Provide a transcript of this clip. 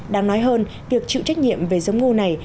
đáng nói hơn việc chịu trách nhiệm về giống ngô này